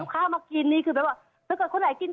สามสิบบอโอเคไหม